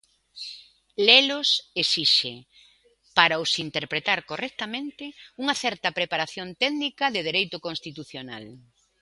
Lelos esixe, para os interpretar correctamente, unha certa preparación técnica de dereito constitucional.